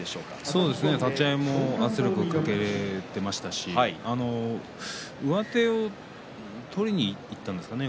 立ち合いも圧力かけられていましたし上手を取りにいったんですかね